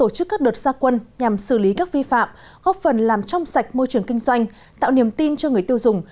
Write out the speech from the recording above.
được xác quân nhằm xử lý các vi phạm góp phần làm trong sạch môi trường kinh doanh tạo niềm tin cho người tiêu dùng